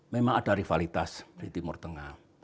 memang ada rivalitas di timur tengah